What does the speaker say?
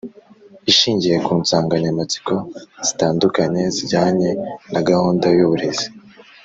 ishingiye ku nsanganyamatsiko zitandukanye, zijyanye na gahunda y’uburezi